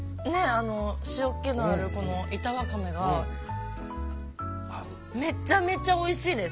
あの塩気のあるこの板わかめがめちゃめちゃおいしいです！